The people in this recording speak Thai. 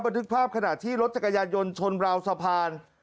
ทึกภาพขณะที่รถจักรยานยนต์ชนราวสะพาน